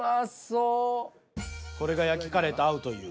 これが焼きカレーと合うという。